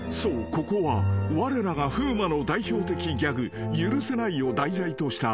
ここはわれらが風磨の代表的ギャグ「許せない！」を題材とした］